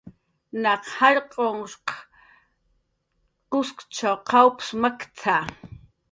"Naq jallq'unhshqaq kuskchaw qawps makt""a"